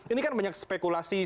ini kan banyak spekulasi